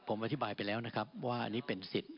ผมอธิบายไปแล้วนะครับว่าอันนี้เป็นสิทธิ์